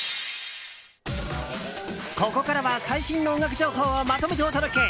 ここからは最新の音楽情報をまとめてお届け。